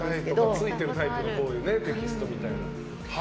ついてるタイプのテキストみたいな。